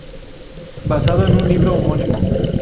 Basado en un libro homónimo.